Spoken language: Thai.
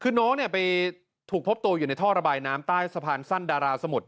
คือน้องไปถูกพบตัวอยู่ในท่อระบายน้ำใต้สะพานสั้นดาราสมุทร